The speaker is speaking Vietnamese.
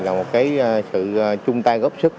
là một cái sự chung tay góp sức